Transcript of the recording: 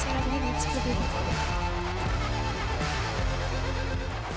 saya harap ini bisa berjalan